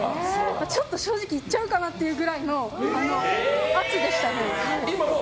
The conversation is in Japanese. ちょっと正直いっちゃうかなというくらいの圧でしたね。